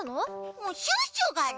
もうシュッシュがね